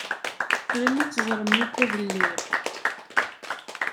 Tram ad teẓṛem wukud lliɣ?